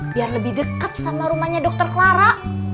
biar lebih dekat sama rumahnya dr clara